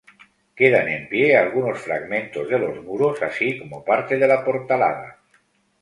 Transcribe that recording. Quedan en pie algunos fragmentos de los muros así como parte de la portalada.